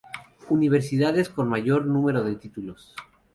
Universidades con mayor número de títulos